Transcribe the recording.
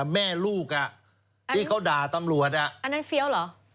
แม่ลูกที่เขาด่าตำรวจอันนั้นเฟี้ยวเหรอ